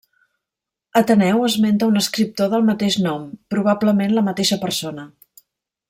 Ateneu esmenta un escriptor del mateix nom, probablement la mateixa persona.